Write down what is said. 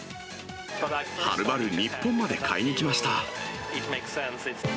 はるばる日本まで買いに来ました。